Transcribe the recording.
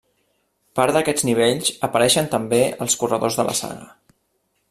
Part d'aquests nivells apareixen també els corredors de la saga.